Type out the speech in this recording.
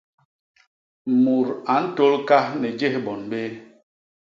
Mut a ntôl kas ni jés bon béé.